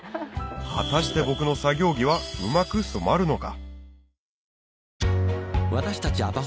果たして僕の作業着はうまく染まるのか？